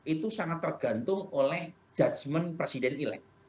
itu sangat tergantung oleh judgement presiden elek